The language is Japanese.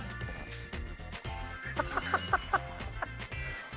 ハハハハ！